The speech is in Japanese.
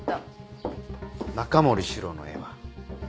中森司郎の絵は？